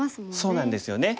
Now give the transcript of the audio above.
そうなんですよね。